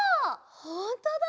ほんとだ！